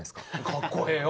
かっこええよ。